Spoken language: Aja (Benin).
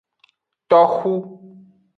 Toxu.